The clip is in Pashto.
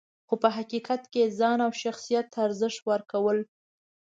خو په حقیقت کې یې ځان او شخصیت ته ارزښت ورکول .